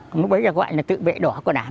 ông ấy bây giờ gọi là tự vệ đỏ của đảng